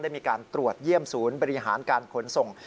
มีการตรวจเยี่ยมศูนย์บริหารการขนส่ง